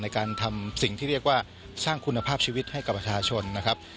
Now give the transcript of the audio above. ในการทำสิ่งที่เรียกว่าสร้างคุณภาพชีวิตให้กับประชาชนนะครับ